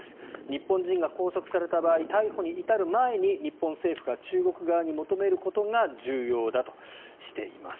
日本人が拘束された場合逮捕に至る前に日本政府が中国側に求めることが重要だとしています。